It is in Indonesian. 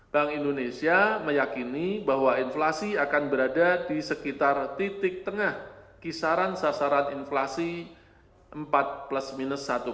bank indonesia meyakini bahwa inflasi akan berada di sekitar titik tengah kisaran sasaran inflasi empat plus minus satu